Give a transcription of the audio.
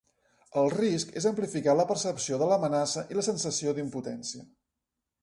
El risc és amplificar la percepció de l’amenaça i la sensació d’impotència.